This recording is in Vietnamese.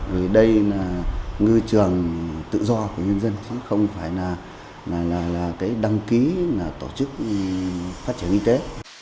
vì đây là ngư trường tự do của nhân dân không phải là đăng ký tổ chức phát triển y tế